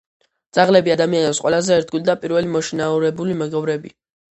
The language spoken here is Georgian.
ძაღლები — ადამიანის ყველაზე ერთგული და პირველი მოშინაურებული მეგობრები